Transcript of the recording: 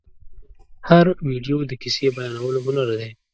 هره ویډیو د کیسې بیانولو هنر دی.